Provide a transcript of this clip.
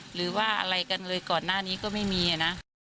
หรือว่าอะไรกันเลยก่อนหน้านี้ก็ไม่มีนะ